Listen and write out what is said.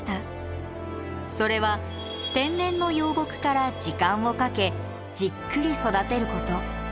それは天然の幼木から時間をかけじっくり育てること。